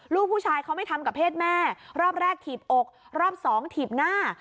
ลูกผู้ชายเขาไม่ทำกับเพศแม่รอบแรกถีบอกรอบสองถีบหน้า